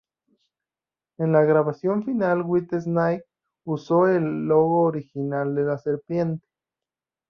Era la grabación final Whitesnake usó el logo original de la serpiente.